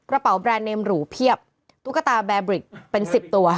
กระเป๋าแบรนด์เนมหรูเพียบตุ๊กตาแบร์บริกเป็น๑๐ตัว